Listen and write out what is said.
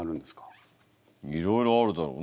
いろいろあるだろう。